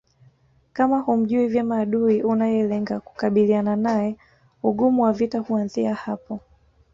Kama humjui vyema adui unayelenga kukabiliana naye ugumu wa vita huanzia hapo